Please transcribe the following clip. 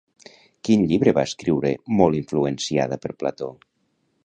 Quin llibre va escriure molt influenciada per Plató?